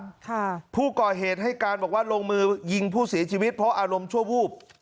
ค่ะผู้ก่อเหตุให้การบอกว่าลงมือยิงผู้เสียชีวิตเพราะอารมณ์ชั่ววูบ